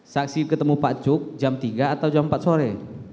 saksi ketemu pak cuk jam tiga atau jam empat sore